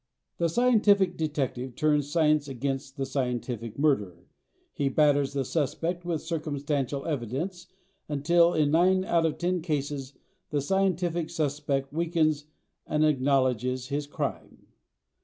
The scientific detective turns science against the scientific murderer. He batters the suspect with circumstantial evidence until in nine out of ten cases the scientific suspect weakens and acknowledges his crime.